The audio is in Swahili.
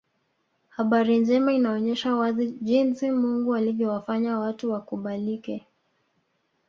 Habari njema inaonyesha wazi jinsi Mungu anavyowafanya watu wakubalike